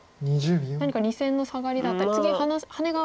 何か２線のサガリだったり次ハネが。